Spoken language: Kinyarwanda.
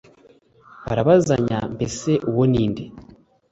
barabazanya mbese uwo ni inde?